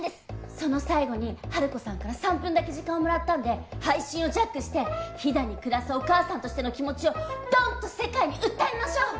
その最後にハルコさんから３分だけ時間をもらったんで配信をジャックして飛騨に暮らすお母さんとしての気持ちをどんと世界に訴えましょう！